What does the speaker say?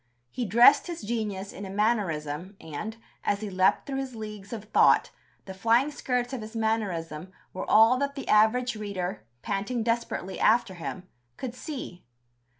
He dressed his genius in a mannerism, and, as he leaped through his leagues of thought, the flying skirts of his mannerism were all that the average reader panting desperately after him could see.